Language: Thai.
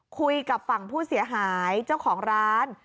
คุยกับฝั่งผู้เสียหายเจ้าของร้าน